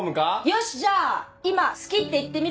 よしじゃあ今好きって言ってみるか。